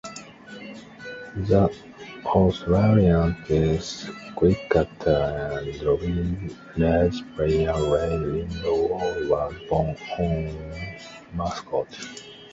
The Australian Test cricketer and rugby league player Ray Lindwall was born in Mascot.